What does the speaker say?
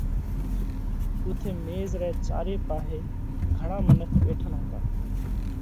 اُوٿئہ ميز رئہ چاري پاهي گھڻا منک ٻيٺل هتا۔